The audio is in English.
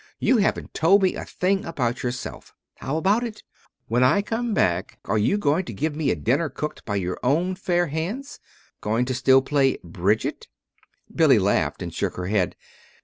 You haven't told me a thing about yourself. How about it? When I come back, are you going to give me a dinner cooked by your own fair hands? Going to still play Bridget?" Billy laughed and shook her head.